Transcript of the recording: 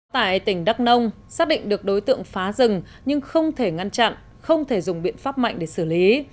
tại tỉnh đắk nông xác định được đối tượng phá rừng nhưng không thể ngăn chặn không thể dùng biện pháp mạnh để xử lý